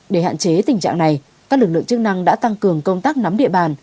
để hạn chế tình trạng này các lực lượng chức năng đã tăng cường công tác nắm địa bàn